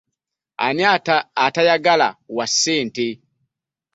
Ani atayagala wa ssente?